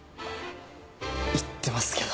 言ってますけど。